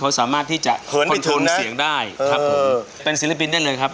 เขาสามารถที่จะคอนโทนเสียงได้ครับผมเป็นศิลปินได้เลยครับ